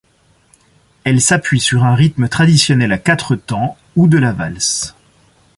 Elle s'appuie sur un rythme traditionnel à quatre temps ou de la valse.